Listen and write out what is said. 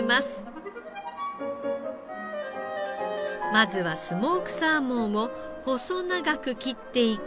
まずはスモークサーモンを細長く切っていき